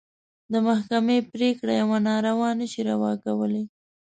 د محکمې پرېکړه يوه ناروا نه شي روا کولی.